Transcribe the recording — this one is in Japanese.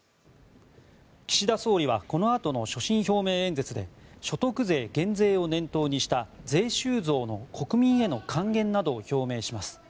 岸田総理はこのあとの所信表明演説で所得税減税を念頭にした税収増の国民への還元などを表明します。